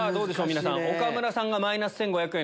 皆さん岡村さんがマイナス１５００円。